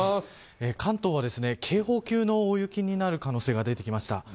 関東は、警報級の大雪になる可能性が出てきました。